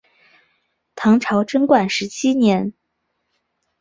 唐朝贞观十七年。